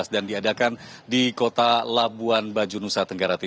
dan diadakan di kota labuan baju nusantara